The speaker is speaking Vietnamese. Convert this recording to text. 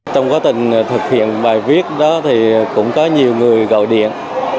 trong quá trình thực hiện bài viết đó thì cũng có nhiều người gọi điện